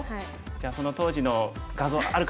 じゃあその当時の画像ある方